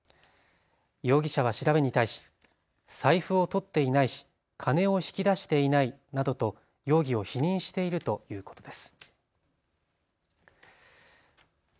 容疑者は調べに対し、財布をとっていないし金を引き出していないなどと容疑を否認しているということです。